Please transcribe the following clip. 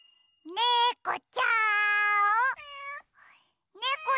ねこちゃん！